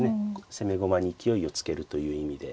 攻め駒に勢いをつけるという意味で。